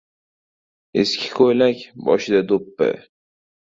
Eski ko‘ylak. Boshida do‘ppi.